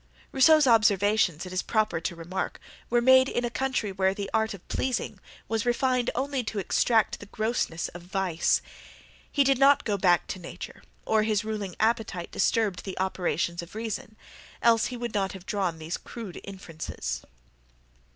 Rousseau's observations, it is proper to remark, were made in a country where the art of pleasing was refined only to extract the grossness of vice. He did not go back to nature, or his ruling appetite disturbed the operations of reason, else he would not have drawn these crude inferences.